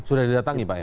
sudah didatangi pak ya